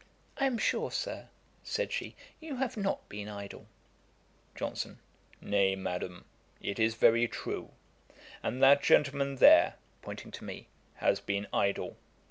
'I am sure, Sir, (said she) you have not been idle.' JOHNSON. 'Nay, Madam, it is very true; and that gentleman there (pointing to me,) has been idle.